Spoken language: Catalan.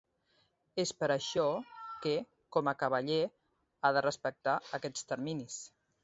És per això que, com a cavaller, ha de respectar aquests terminis.